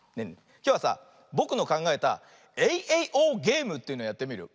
きょうはさぼくのかんがえたエイエイオーゲームというのやってみるよ。